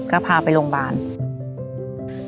ก็พาไปโรงพยาบาล